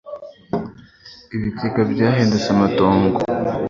ibigega byahindutse amatongo